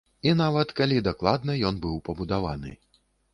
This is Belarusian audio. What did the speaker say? І нават, калі дакладна ён быў пабудаваны.